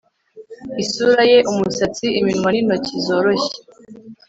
isura ye, umusatsi, iminwa n'intoki zoroshye